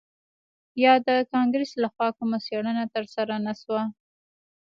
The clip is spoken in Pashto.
یا د کانګرس لخوا کومه څیړنه ترسره نه شوه